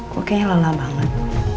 kok kayaknya lelah banget